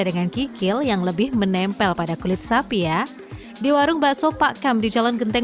dengan kikil yang lebih menempel pada kulit sapi ya di warung bakso pak kam di jalan genteng